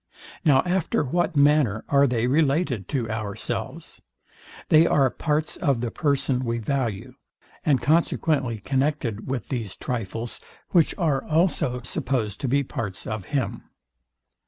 Now after what manner are they related to ourselves? They are parts of the person we value, and consequently connected with these trifles; which are also supposed to be parts of him.